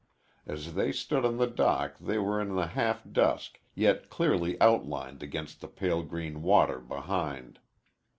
As they stood on the dock they were in the half dusk, yet clearly outlined against the pale green water behind.